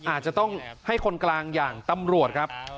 อาจจะต้องให้คนกลางอย่างตำรวจครับ